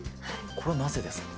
これはなぜですか。